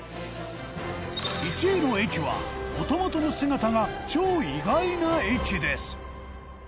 １位の駅はもともとの姿が超意外な駅です